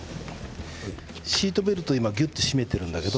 シートベルトを今ギュッと締めてるんだけど。